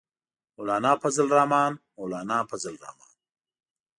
مولانا فضل الرحمن، مولانا فضل الرحمن.